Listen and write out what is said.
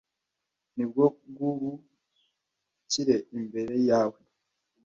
Ni bwo bw'ubu kiri imbere yawe.